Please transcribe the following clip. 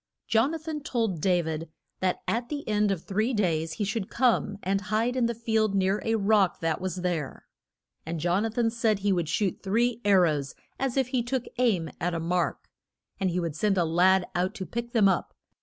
Jon a than told Da vid that at the end of the three days he should come and hide in the field near a rock that was there. And Jon a than said he would shoot three ar rows as if he took aim at a mark. And he would send a lad out to pick them up.